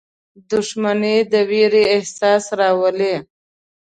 • دښمني د ویرې احساس راولي.